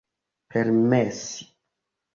permesi